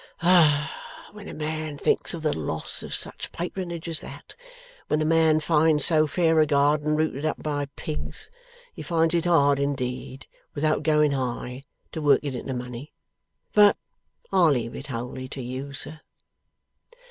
Ah! When a man thinks of the loss of such patronage as that; when a man finds so fair a garden rooted up by pigs; he finds it hard indeed, without going high, to work it into money. But I leave it wholly to you, sir.